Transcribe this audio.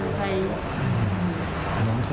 น้องเคยเล่าให้แม่ฟังไหมว่าแบบ